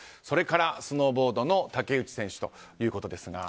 それからスノーボードの竹内選手ということです。